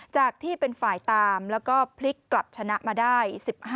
จากที่เป็นฝ่ายตามแล้วก็พลิกกลับชนะมาได้๑๕